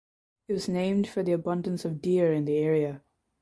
It was named for the abundance of deer in the area.